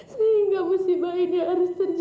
sehingga musibah ini harus terjadi